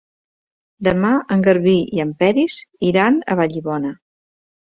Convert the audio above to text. Demà en Garbí i en Peris iran a Vallibona.